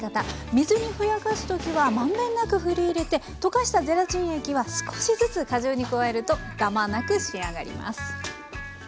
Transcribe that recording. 水にふやかす時は満遍なくふり入れて溶かしたゼラチン液は少しずつ果汁に加えるとダマなく仕上がります。